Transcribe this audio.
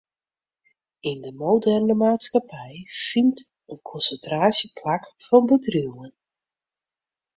Yn de moderne maatskippij fynt in konsintraasje plak fan bedriuwen.